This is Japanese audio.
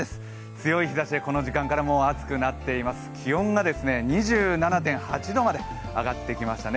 強い日ざしがこの時間から暑くなっています、気温が２７．８度まで上がってきましたね。